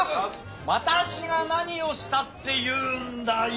私が何をしたっていうんだよ！